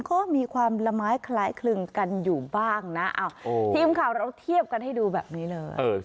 ก็มีความละไม้คล้ายคลึงกันอยู่บ้างนะทีมข่าวเราเทียบกันให้ดูแบบนี้เลย